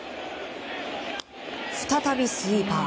再びスイーパー。